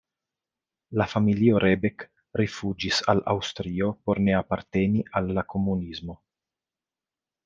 La familio Rebek rifuĝis al Aŭstrio por ne aparteni al la komunismo.